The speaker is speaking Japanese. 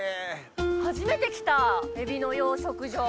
初めて来たエビの養殖場。